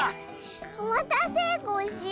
おまたせコッシー。